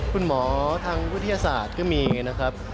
คุณหมอทางวิทยาศาสตร์ก็มีนะครับ